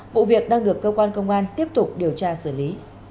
vụ việc đang được cơ quan công an tiếp tục điều tra xử lý